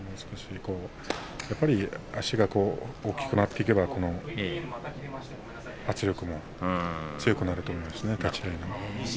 やっぱり足が大きくなっていけば圧力も強くなると思いますね立ち合いの。